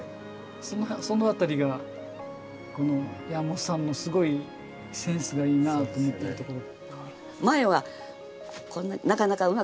その辺りが山本さんのすごいセンスがいいなあと思ってるところ。